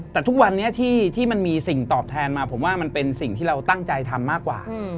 แต่ทุกวันนี้ที่มันมีสิ่งตอบแทนมาผมว่ามันเป็นสิ่งที่เราตั้งใจทำมากกว่า